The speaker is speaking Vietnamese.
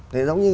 thì giống như